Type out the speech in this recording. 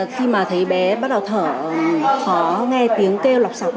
khi mà thấy bé bắt đầu thở khó nghe tiếng kêu lọc sọc